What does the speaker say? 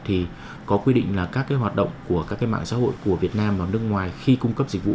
thì có quy định là các cái hoạt động của các cái mạng xã hội của việt nam và nước ngoài khi cung cấp dịch vụ